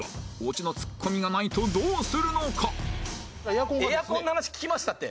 果たして関はエアコンの話聞きましたって。